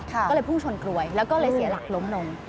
ก็เลยพุ่งชนกลวยแล้วก็เลยเสียหลักล้มลง